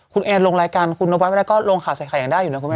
คุณแอนลงรายการคุณนวัดไว้แล้วก็ลงข่าวใส่ไข่ยังได้อยู่นะคุณแม่